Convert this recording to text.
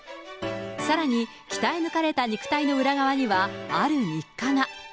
さらに、鍛え抜かれた肉体の裏側には、ある日課が。